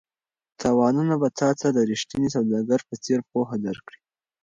تاوانونه به تا ته د ریښتیني سوداګر په څېر پوهه درکړي.